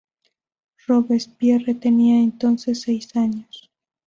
Robespierre tenía entonces seis años.